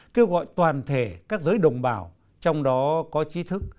kêu gọi toàn thể các giới đồng bào trong đó có trí thức